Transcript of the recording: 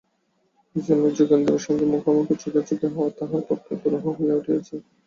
এইজন্য যোগেন্দ্রের সঙ্গে মুখোমুখি-চোখোচোখি হওয়া তাহার পক্ষে দুরূহ হইয়া উঠিয়াছে।